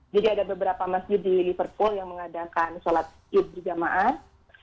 jadi ada beberapa masjid di liverpool yang mengadakan sholat iul fitri jamaat